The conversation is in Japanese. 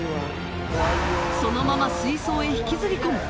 そのまま水槽へ引きずり込む